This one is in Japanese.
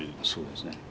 そうですね。